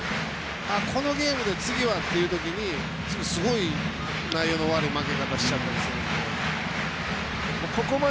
このゲームで次はというときに次、すごい内容の悪い負け方しちゃったりするんで。